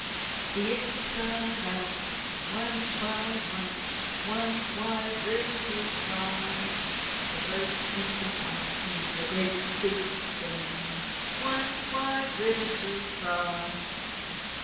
"The Infants got out, one by one One wide river to cross! First Infant bumps into a great big Stone One wide river to cross!"